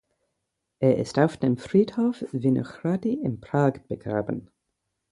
Er ist auf dem Friedhof Vinohrady in Prag begraben.